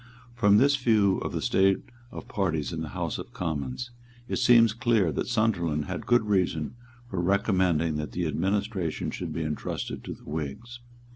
From this view of the state of parties in the House of Commons, it seems clear that Sunderland had good reason for recommending that the administration should be entrusted to the Whigs.